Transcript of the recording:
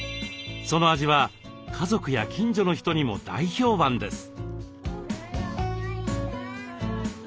その味は家族や近所の人にも大評判です。